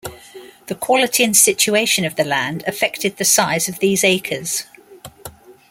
The quality and situation of the land affected the size of these acres.